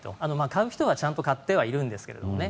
買う人はちゃんと買ってはいるんですけどね